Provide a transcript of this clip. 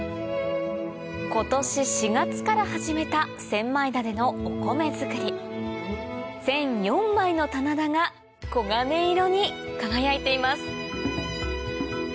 今年４月から始めた千枚田でのお米作り１００４枚の棚田が黄金色に輝いています